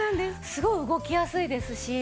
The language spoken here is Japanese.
すごい動きやすいですし。